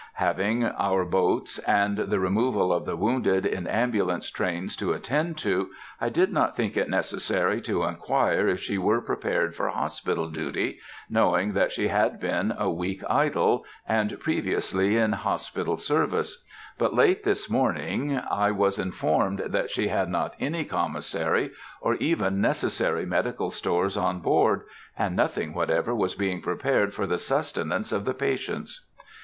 Having our boats and the removal of the wounded in ambulance trains to attend to, I did not think it necessary to inquire if she were prepared for hospital duty, knowing that she had been a week idle, and previously in hospital service; but late this morning I was informed that she had not any commissary, or even necessary medical stores on board, and nothing whatever was being prepared for the sustenance of the patients.